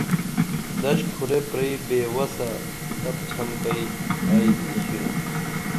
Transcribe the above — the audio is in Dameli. دش کُھرے پرئی بے وسِیہ تپڇمم بئی ائی نِشِنُم